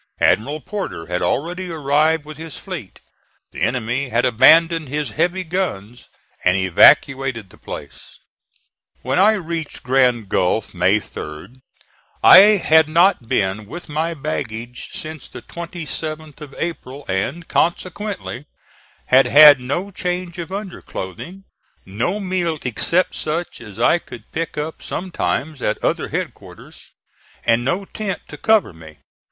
Admiral Porter had already arrived with his fleet. The enemy had abandoned his heavy guns and evacuated the place. When I reached Grand Gulf May 3d I had not been with my baggage since the 27th of April and consequently had had no change of underclothing, no meal except such as I could pick up sometimes at other headquarters, and no tent to cover me.